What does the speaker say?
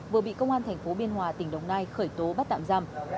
vừa bị công an thành phố biên hòa tỉnh đồng nai khởi tố bắt tạm giam